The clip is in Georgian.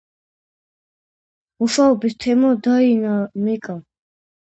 მუშაობის თერმო დინამიკა